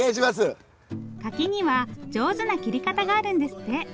柿には上手な切り方があるんですって。